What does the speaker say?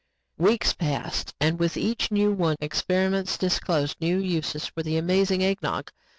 Weeks passed and with each one new experiments disclosed new uses for the amazing Eggnog.